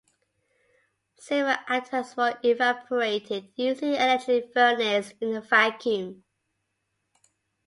Silver atoms were evaporated using an electric furnace in a vacuum.